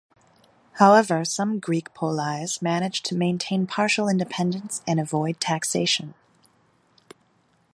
However, some Greek poleis managed to maintain partial independence and avoid taxation.